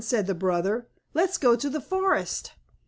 said the brother. "Let's go to the forest."